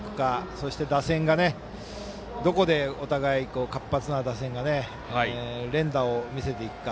そして打線がどこでお互い活発に連打を見せていくか。